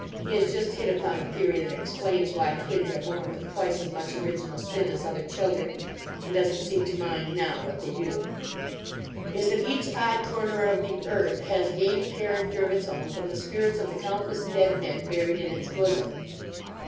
He has just hit upon a theory that explains why twins are born with twice as much original sin as other children, and doesn't seem to mind now what they do) is that each odd corner of the earth has gained a character of its own from the spirits of the countless dead men buried in its bosom.